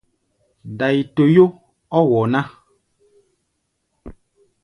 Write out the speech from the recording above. Dai-toyó ɔ́ wɔ ná.